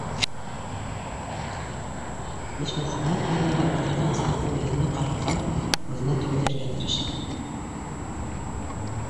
- Ишмөхәмәт янында ултырған заттың йөҙөнә ҡарарға, күҙенә төбәлергә тырыша.